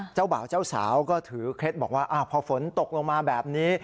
เจ้าบ่าวเจ้าสาวก็ถือเคล็ดบอกว่าพอฝนตกลงมาแบบนี้